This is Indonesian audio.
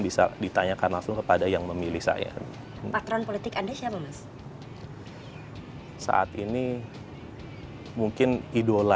bisa ditanyakan langsung kepada yang memilih saya patron politik anda siapa mas saat ini mungkin idola